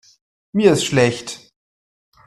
Mir ist schlecht.